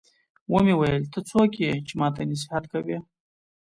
ومې ويل ته څوک يې چې ما ته نصيحت کوې.